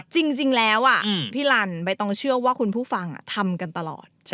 จริงแล้วพี่ลันใบตองเชื่อว่าคุณผู้ฟังทำกันตลอด